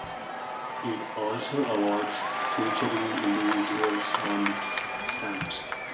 It also avoids featuring individuals on its stamps.